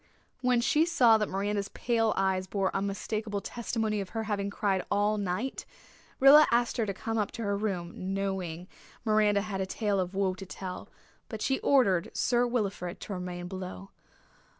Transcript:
When she saw that Miranda's pale eyes bore unmistakable testimony of her having cried all night, Rilla asked her to come up to her room, knowing Miranda had a tale of woe to tell, but she ordered Sir Wilfrid to remain below.